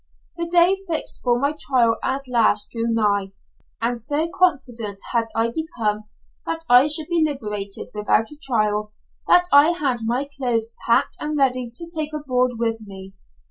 The day fixed for my trial at last drew nigh, and so confident had I become that I should be liberated without a trial, that I had my clothes packed and ready to take abroad with me.